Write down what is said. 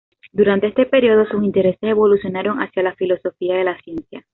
Durante este periodo, sus intereses evolucionaron hacia la filosofía de la ciencia.